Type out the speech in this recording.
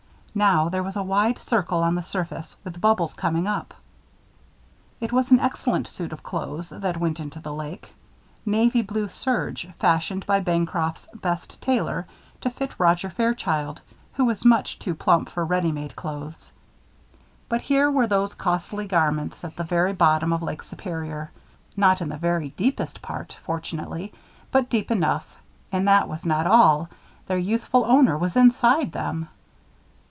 Now, there was a wide circle on the surface, with bubbles coming up. It was an excellent suit of clothes that went into the lake. Navy blue serge, fashioned by Bancroft's best tailor to fit Roger Fairchild, who was much too plump for ready made clothes. But here were those costly garments at the very bottom of Lake Superior; not in the very deepest part, fortunately, but deep enough. And that was not all. Their youthful owner was inside them.